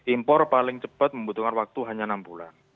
impor paling cepat membutuhkan waktu hanya enam bulan